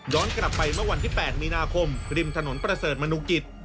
กลับไปเมื่อวันที่๘มีนาคมริมถนนประเสริฐมนุกิจ